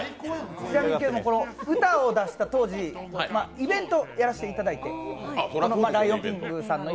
ちなみに歌を出した当時、イベントやらせていただいて「ライオン・キング」の。